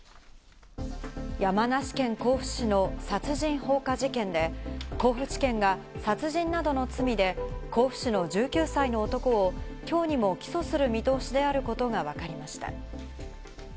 山梨県甲府市の殺人放火事件で、甲府地検が殺人などの罪で甲府市の１９歳の男を今日にも起訴する見通しであることがわかりました。